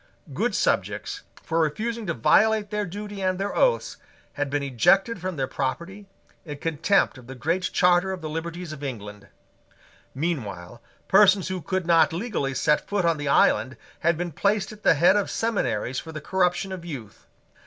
Good subjects, for refusing to violate their duty and their oaths, had been ejected from their property, in contempt of the Great Charter of the liberties of England. Meanwhile persons who could not legally set foot on the island had been placed at the head of seminaries for the corruption of youth.